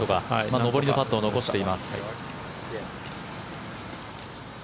上りのパットを残しています。